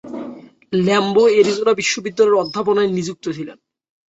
Lamb Arizona বিশ্ববিদ্যালয়ের অধ্যাপনায় নিযুক্ত ছিলেন।